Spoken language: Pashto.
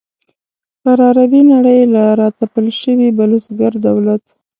پر عربي نړۍ له را تپل شوي بلوسګر دولت.